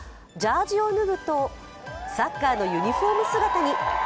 ジャージを脱ぐとサッカーのユニフォーム姿に。